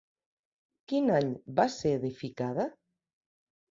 Quin any va ser edificada?